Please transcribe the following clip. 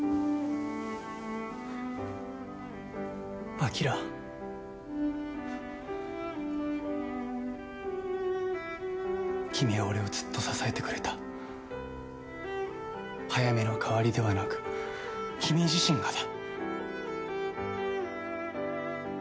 明君は俺をずっと支えてくれた早梅の代わりではなく君自身がだ